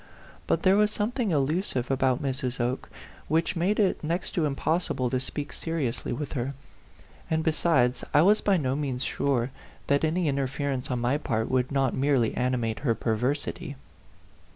But there was something elusive about Mrs. Oke, which made it next to impossible to speak seriously with her; and, besides, I was by no means sure that any interference on my part would not merely animate her perversity.